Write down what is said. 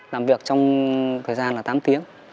làm việc trong thời gian là tám tiếng